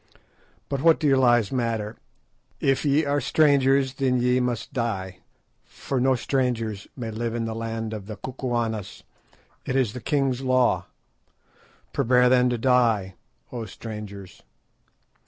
But what do your lies matter?—if ye are strangers then ye must die, for no strangers may live in the land of the Kukuanas. It is the king's law. Prepare then to die, O strangers!"